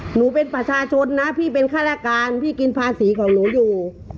หนูเป็นประชาชนนะพี่เป็นฆาตการพี่กินภาษีของหนูอยู่